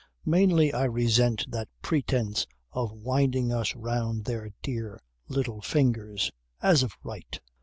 Mainly I resent that pretence of winding us round their dear little fingers, as of right.